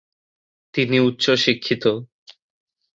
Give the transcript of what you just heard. তিনি উচ্চ শিক্ষিত।